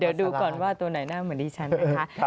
เดี๋ยวดูก่อนว่าตัวไหนหน้าเหมือนดิฉันนะคะ